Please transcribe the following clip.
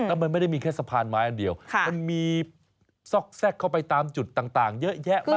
แล้วมันไม่ได้มีแค่สะพานไม้อันเดียวมันมีซอกแทรกเข้าไปตามจุดต่างเยอะแยะมาก